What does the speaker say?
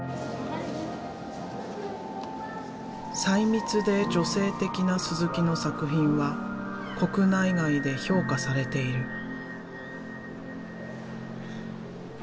細密で女性的なの作品は国内外で評価されている。